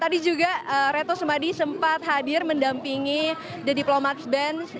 tadi juga reto sumadi sempat hadir mendampingi the diplomats benz